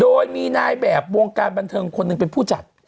โดยมีนายแบบวงการบันเทิงคนหนึ่งเป็นผู้จัด